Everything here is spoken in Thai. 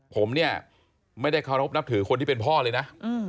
ผมเนี่ยไม่ได้เคารพนับถือคนที่เป็นพ่อเลยนะ